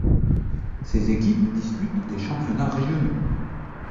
Ces équipes disputent des championnats régionaux.